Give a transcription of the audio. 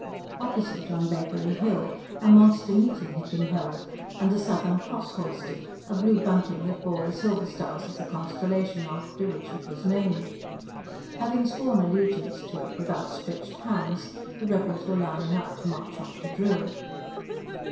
Opposite, on Bakery Hill, a monster meeting had been held and the "Southern Cross" hoisted a blue bunting that bore the silver stars of the constellation after which it was named. Having sworn allegiance to it with outstretched hands, the rebels were lining up to march off to drill.